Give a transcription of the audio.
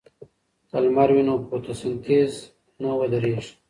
که لمر وي نو فوتوسنتیز نه ودریږي.